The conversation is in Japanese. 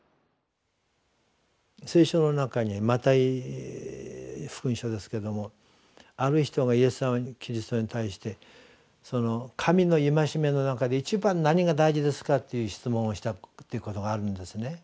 聖書の中にマタイ福音書ですけどもある人がイエス・キリストに対して「神の戒めの中で一番何が大事ですか？」という質問をしたっていうことがあるんですね。